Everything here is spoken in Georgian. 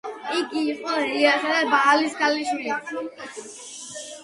იგი იყო ელიასა და ბაალის ქალიშვილი.